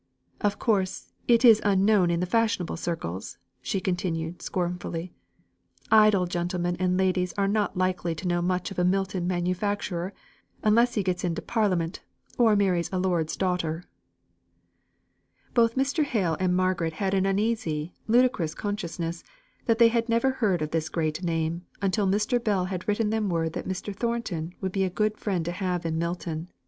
Of course, it is unknown in the fashionable circles," she continued scornfully. "Idle gentlemen and ladies are not likely to know much of a Milton manufacturer, unless he gets into parliament, or marries a lord's daughter." Both Mr. Hale and Margaret had an uneasy, ludicrous consciousness that they had never heard of this great name, until Mr. Bell had written them word that Mr. Thornton would be a good friend to have in Milton.